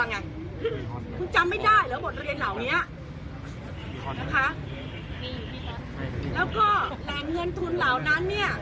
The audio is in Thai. อ่ะคุณจำไม่ได้เหรอบทเรียนเหล่านี้นะคะแล้วก็แหล่งเงินทุนเหล่านั้นเนี้ย